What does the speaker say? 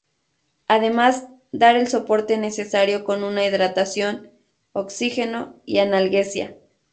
Además dar el soporte necesario con una hidratación, oxígeno y analgesia.